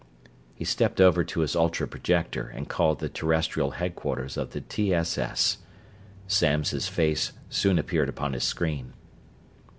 He stepped over to his ultra projector and called the Terrestrial headquarters of the T. S. S. Samms' face soon appeared upon his screen.